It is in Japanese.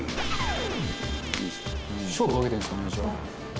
「勝負懸けてるんですかねじゃあ」